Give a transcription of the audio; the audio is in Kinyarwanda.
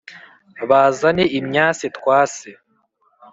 bazane imyase twase